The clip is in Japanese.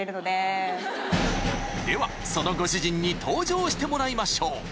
［ではそのご主人に登場してもらいましょう］